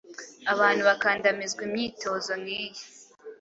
Abantu bakandamizwa Imyitozo nkiyi